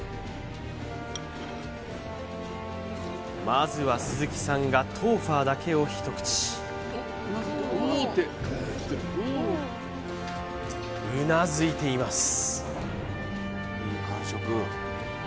まずは鈴木さんが豆花だけを一口うなずいています